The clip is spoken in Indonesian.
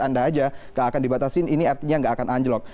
anda saja tidak akan dibatasin ini artinya tidak akan anjlok